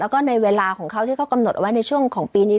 แล้วก็ในเวลาของเขาที่เขากำหนดเอาไว้ในช่วงของปีนี้